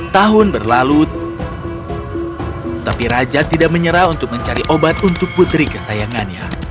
tahun berlalu tapi raja tidak menyerah untuk mencari obat untuk putri kesayangannya